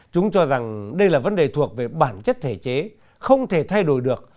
chúng cho rằng đây là vấn đề thuộc về bản chất thể chế không thể thay đổi được